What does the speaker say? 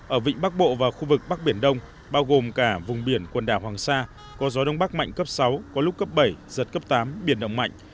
ở vịnh bắc bộ và khu vực bắc biển đông bao gồm cả vùng biển quần đảo hoàng sa có gió đông bắc mạnh cấp sáu có lúc cấp bảy giật cấp tám biển động mạnh